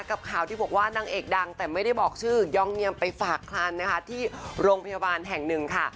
กับข่าวที่บอกว่านางเอกดังแต่ไม่ได้บอกชื่อยองเงียมไปฝากคลันนะคะที่โรงพยาบาลแห่งหนึ่งค่ะ